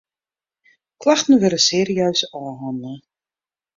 Klachten wurde serieus ôfhannele.